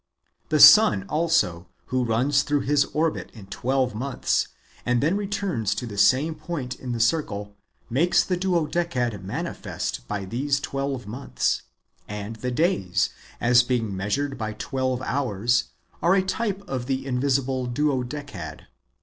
The sun also, who runs through his orbit in twelve months, and then returns to the same point in the circle, makes the Duodecad manifest by these twelve months ; and the days, as being measured by twelve hours, are a type of the invisible Duodecad.